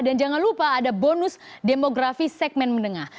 dan jangan lupa ada bonus demografi segmen menengah